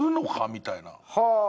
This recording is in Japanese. みたいな。